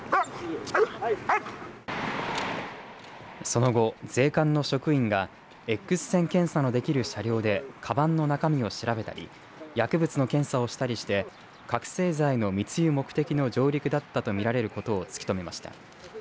その後税関の職員がエックス線検査のできる車両でかばんの中身を調べたり薬物の検査をしたりして覚醒剤の密輸目的の上陸だったとみられることを突き止めました。